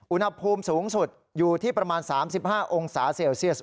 อุณหภูมิสูงสุดอยู่ที่ประมาณ๓๕องศาเซลเซียส